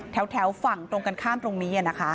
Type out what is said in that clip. แถวฝั่งตรงกันข้ามตรงนี้นะคะ